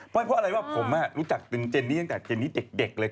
เพราะอะไรว่าผมรู้จักเป็นเจนนี่ตั้งแต่เจนนี่เด็กเลย